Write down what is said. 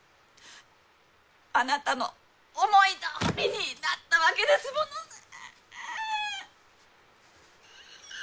あなたの思い通りになったわけですものね。